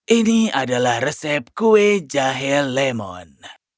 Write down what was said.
ini adalah resep kue jahe lemon